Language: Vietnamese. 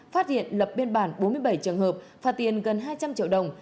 phát hiện lập biên bản bốn mươi bảy trường hợp phạt tiền gần hai trăm linh triệu đồng